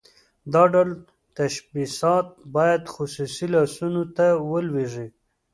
دا ډول تشبثات باید خصوصي لاسونو ته ولویږي.